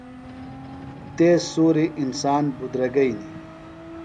تیز سُوریۡ انسان بُدرَگئینی۔